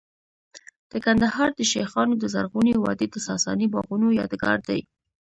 د کندهار د شیخانو د زرغونې وادۍ د ساساني باغونو یادګار دی